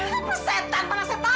lu bersetan mana saya tahu